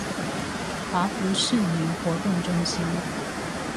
華福市民活動中心